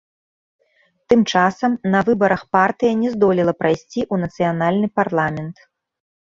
Тым часам, на выбарах партыя не здолела прайсці ў нацыянальны парламент.